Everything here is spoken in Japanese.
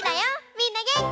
みんなげんき？